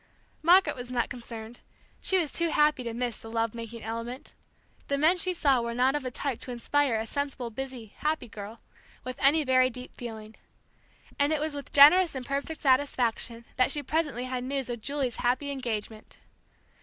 Margaret was not concerned; she was too happy to miss the love making element; the men she saw were not of a type to inspire a sensible busy, happy, girl with any very deep feeling. And it was with generous and perfect satisfaction that she presently had news of Julie's happy engagement.